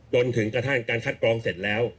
จนกระทั่งการคัดกรองเสร็จแล้ว